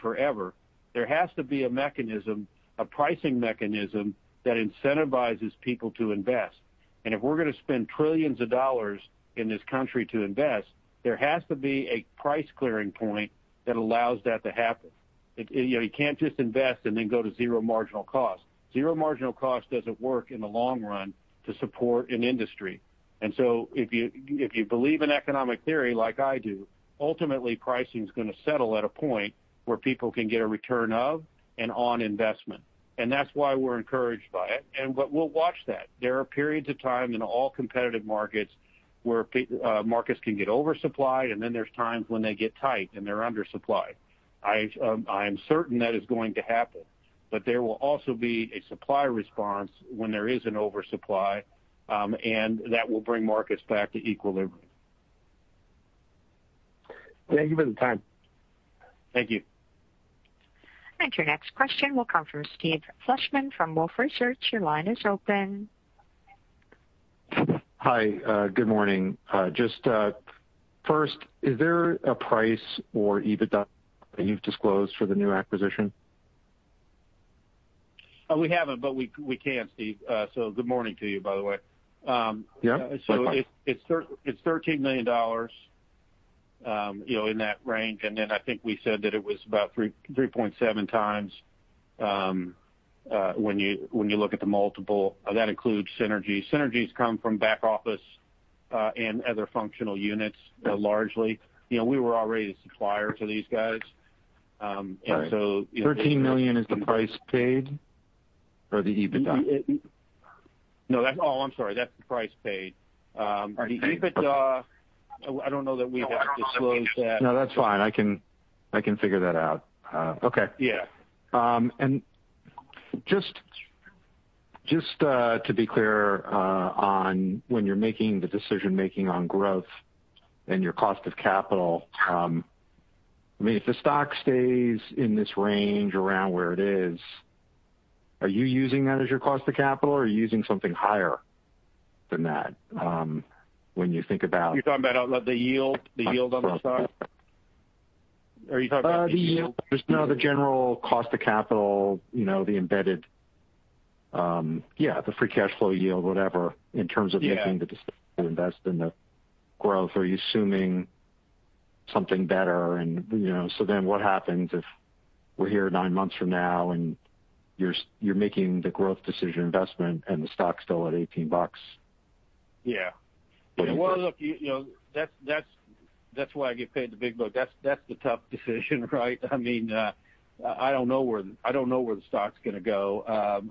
forever." There has to be a pricing mechanism that incentivizes people to invest. If we're going to spend trillions of dollars in this country to invest, there has to be a price clearing point that allows that to happen. You can't just invest and then go to zero marginal cost. Zero marginal cost doesn't work in the long run to support an industry. If you believe in economic theory like I do, ultimately pricing's going to settle at a point where people can get a return of and on investment. That's why we're encouraged by it. We'll watch that. There are periods of time in all competitive markets where markets can get oversupplied, and then there's times when they get tight, and they're undersupplied. I am certain that is going to happen. There will also be a supply response when there is an oversupply, and that will bring markets back to equilibrium. Thank you for the time. Thank you. Your next question will come from Steve Fleishman from Wolfe Research. Your line is open. Hi. Good morning. Just first, is there a price or EBITDA that you've disclosed for the new acquisition? We haven't, but we can, Steve. Good morning to you, by the way. Yeah. Likewise. It's $13 million, in that range. Then I think we said that it was about 3.7 x when you look at the multiple. That includes synergies. Synergies come from back office, and other functional units largely. We were already a supplier to these guys. All right. And so- $13 million is the price paid or the EBITDA? No. Oh, I'm sorry. That's the price paid. All right. Thank you. The EBITDA, I don't know that we have disclosed that. No, that's fine. I can figure that out. Okay. Yeah. Just to be clear on when you're making the decision-making on growth and your cost of capital. If the stock stays in this range around where it is, are you using that as your cost of capital, or are you using something higher than that? You're talking about the yield on the stock? Are you talking about the yield? Just no, the general cost of capital, the embedded, yeah, the free cash flow yield, whatever- Yeah. in terms of making the decision to invest in the growth. Are you assuming something better? What happens if we're here nine months from now and you're making the growth decision investment and the stock's still at $18? Yeah. What- Well, look, that's why I get paid the big bucks. That's the tough decision, right? I don't know where the stock's going to go.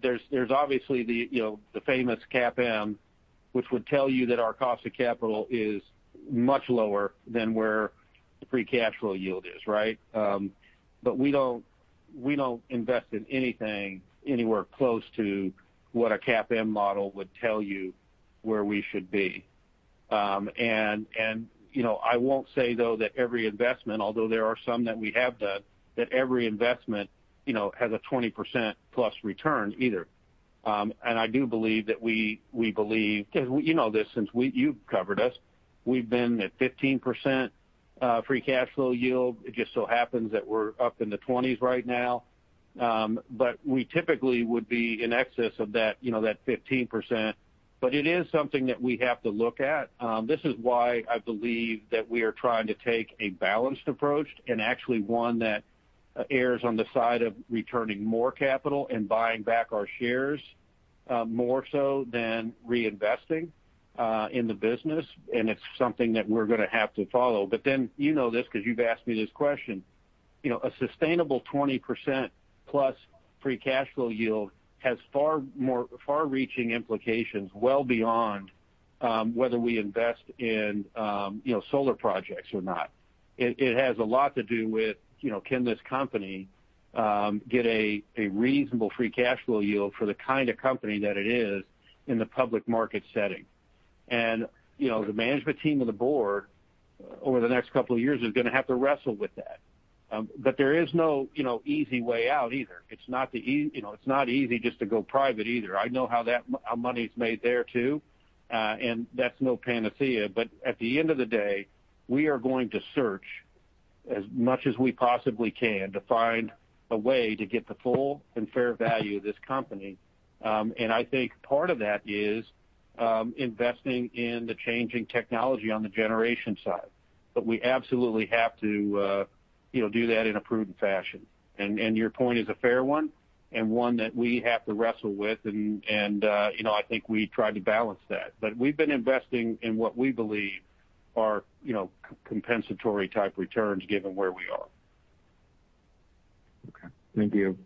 There's obviously the famous CAPM, which would tell you that our cost of capital is much lower than where the free cash flow yield is, right? We don't invest in anything anywhere close to what a CAPM model would tell you where we should be. I won't say, though, that every investment, although there are some that we have done, that every investment has a 20%+ return either. I do believe that we believe, because you know this since you've covered us, we've been at 15% free cash flow yield. It just so happens that we're up in the 20%s right now. We typically would be in excess of that 15%. It is something that we have to look at. This is why I believe that we are trying to take a balanced approach and actually one that errs on the side of returning more capital and buying back our shares more so than reinvesting in the business. It's something that we're going to have to follow. You know this because you've asked me this question. A sustainable 20%+ free cash flow yield has far-reaching implications well beyond whether we invest in solar projects or not. It has a lot to do with can this company get a reasonable free cash flow yield for the kind of company that it is in the public market setting. The management team and the board over the next couple of years is going to have to wrestle with that. There is no easy way out either. It's not easy just to go private either. I know how money's made there too. That's no panacea. At the end of the day, we are going to search as much as we possibly can to find a way to get the full and fair value of this company. I think part of that is investing in the changing technology on the generation side. We absolutely have to do that in a prudent fashion. Your point is a fair one and one that we have to wrestle with, and I think we try to balance that. We've been investing in what we believe are compensatory type returns given where we are. Okay. Thank you.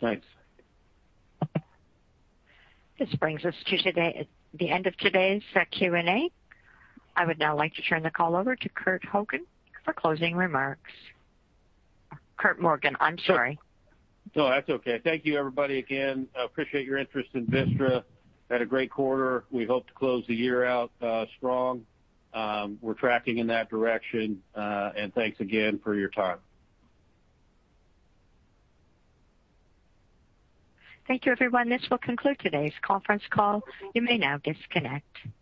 Thanks. This brings us to the end of today's Q&A. I would now like to turn the call over to Curt Hogan for closing remarks. Curt Morgan, I'm sorry. No, that's okay. Thank you everybody again. I appreciate your interest in Vistra. We had a great quarter. We hope to close the year out strong. We're tracking in that direction. Thanks again for your time. Thank you, everyone. This will conclude today's conference call. You may now disconnect.